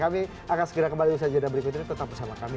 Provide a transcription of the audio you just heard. kami akan segera kembali bersajar dan berikutnya tetap bersama kami